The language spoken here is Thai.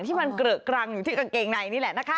ที่มันเกลอะกรังอยู่ที่กางเกงในนี่แหละนะคะ